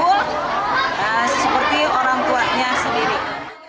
seperti orang tuanya sendiri